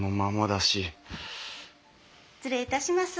失礼いたします。